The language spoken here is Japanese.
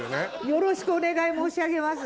よろしくお願い申し上げます。